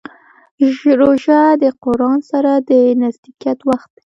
روژه د قرآن سره د نزدېکت وخت دی.